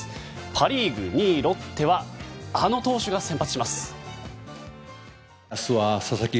パ・リーグ２位、ロッテはあの投手が先発します。